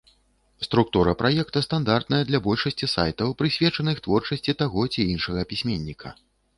Структура праекта стандартная для большасці сайтаў, прысвечаных творчасці таго ці іншага пісьменніка.